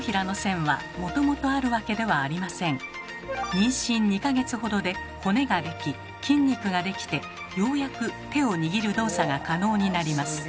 妊娠２か月ほどで骨ができ筋肉ができてようやく手を握る動作が可能になります。